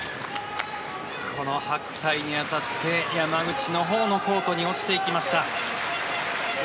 白帯に当たって山口のほうのコートに落ちていきました。